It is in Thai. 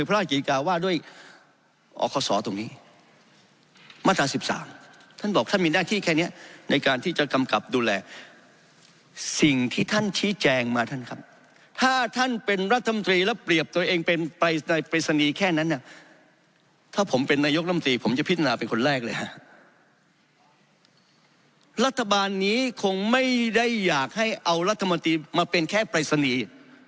รัฐบาลนี้คงไม่ได้อยากให้เอารัฐมนตรีมาเป็นแค่ปริศนีย์